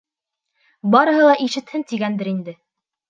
Барыһы ла ишетһен, тигәндер инде.